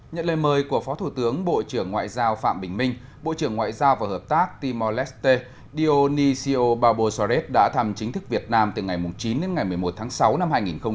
nhận lời mời của phó thủ tướng bộ trưởng ngoại giao phạm bình minh bộ trưởng ngoại giao và hợp tác timor leste dionisio barbosorez đã thăm chính thức việt nam từ ngày chín đến ngày một mươi một tháng sáu năm hai nghìn một mươi chín